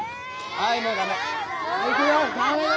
はいもうダメ。